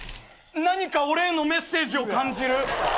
何か俺へのメッセージを感じる。